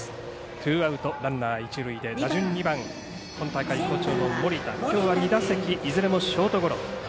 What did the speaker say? ツーアウト、ランナー一塁で打順２番今大会好調の森田、きょうは２打席いずれもショートゴロ。